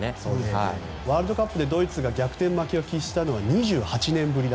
ワールドカップでドイツが逆転負けを喫したのは２８年ぶり。